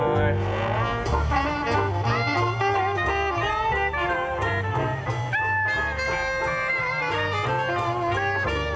เพลงที่๑๐ทรงโปรด